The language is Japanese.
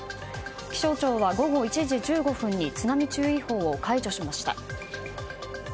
気象庁は午後１１時１５分に津波注意報を解除しました。